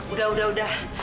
udah udah udah